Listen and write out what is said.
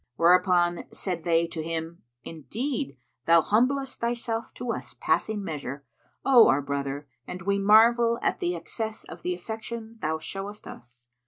Whereupon said they to him, "Indeed, thou humblest thyself to us passing measure, O our brother, and we marvel at the excess of the affection thou showest us.